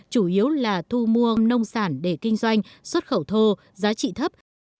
chủ yếu là thu mua nông sản để kinh doanh xuất khẩu thô giá trị thấp